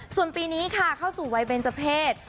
ส่วนปีนี้ค่ะเข้าสู่วัยเบนเจอร์เพศ